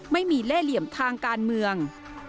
ไม่มีเล่เหลี่ยมทางการเมือง